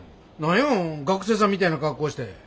何や学生さんみたいな格好して。